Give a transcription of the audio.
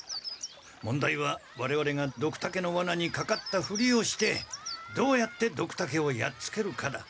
問題はわれわれがドクタケのワナにかかったふりをしてどうやってドクタケをやっつけるかだ。